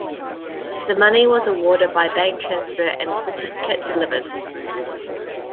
The money was awarded by bank transfer and the certificate delivered.